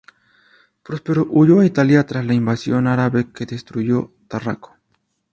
Próspero huyó a Italia tras la invasión árabe que destruyó Tarraco.